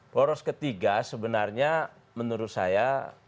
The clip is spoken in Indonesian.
poros ketiga sebenarnya menurut saya